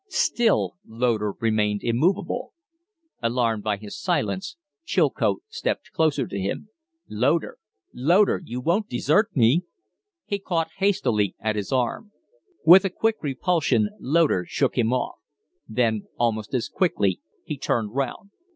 Still Loder remained immovable. Alarmed by his silence, Chilcote stepped closer to him. "Loder! Loder, you won't desert me?" He caught hastily at his arm. With a quick repulsion Loder shook him off; then almost as quickly he turned round.